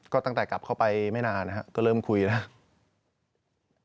ก็ตั้งแต่กลับเข้าไปไม่นานนะครับก็เริ่มคุยแล้ว